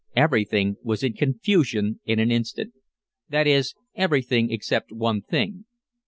Everything was in confusion in an instant. That is everything except one thing.